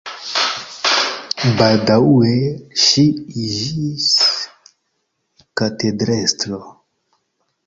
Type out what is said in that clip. Baldaŭe ŝi iĝis katedrestro.